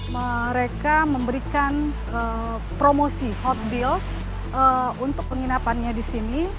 mereka memberikan promosi hot bills untuk penginapannya di sini